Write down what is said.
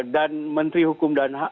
dan menteri hukum dan